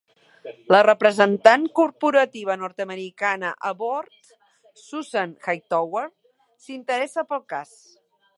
La representant corporativa nord-americana a bord, Susan Hightower, s'interessa pel cas.